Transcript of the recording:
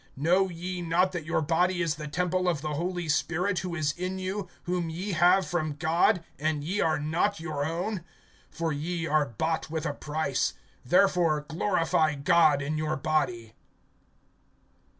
(19)Know ye not that your body is the temple of the Holy Spirit, who is in you, whom ye have from God, and ye are not your own? (20)For ye are bought with a price; therefore glorify God in your body.